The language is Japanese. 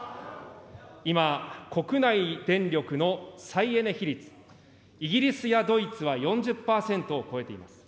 今、国内電力の再エネ比率、イギリスやドイツは４０％を超えています。